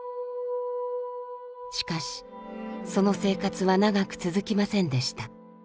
しかしその生活は長く続きませんでした。